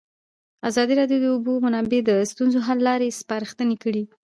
ازادي راډیو د د اوبو منابع د ستونزو حل لارې سپارښتنې کړي.